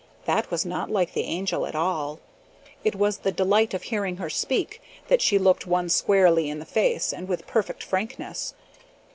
That was not like the Angel at all. It was the delight of hearing her speak that she looked one squarely in the face and with perfect frankness.